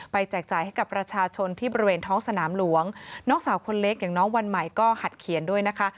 แจกจ่ายให้กับประชาชนที่บริเวณท้องสนามหลวงน้องสาวคนเล็กอย่างน้องวันใหม่ก็หัดเขียนด้วยนะคะ